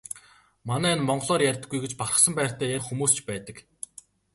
Манай энэ монголоор ярьдаггүй гэж бахархсан байртай ярих хүмүүс ч байдаг.